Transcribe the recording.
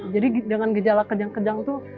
jadi dengan gejala kejang kejang itu